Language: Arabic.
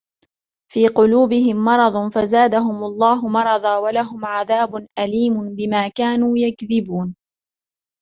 في قلوبهم مرض فزادهم الله مرضا ولهم عذاب أليم بما كانوا يكذبون